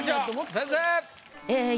先生！